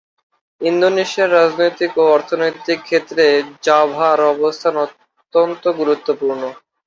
ইন্দোনেশিয়ার রাজনৈতিক এবং অর্থনৈতিক ক্ষেত্রে জাভার অবস্থান অত্যন্ত গুরুত্বপূর্ণ।